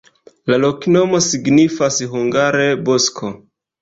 La loknomo signifas hungare: bosko.